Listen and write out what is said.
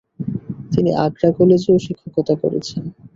তিনি আগ্রা কলেজেও শিক্ষকতা করেছেন।